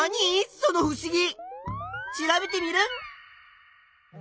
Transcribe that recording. そのふしぎ！調べテミルン。